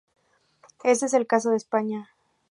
Este es el caso de España.